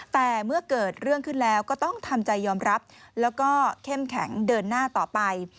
แต่เมื่อเกิดเรื่องขึ้นแล้วก็ต้องทำใจยอมรับแล้วก็เข้มแข็งเดินหน้าต่อไป